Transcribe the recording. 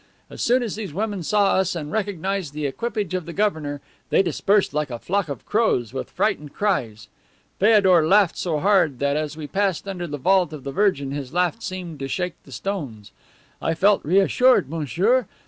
As soon as these women saw us and recognized the equipage of the Governor, they dispersed like a flock of crows, with frightened cries. Feodor laughed so hard that as we passed under the vault of the Virgin his laugh seemed to shake the stones. I felt reassured, monsieur.